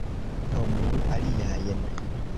Nomu aliajn!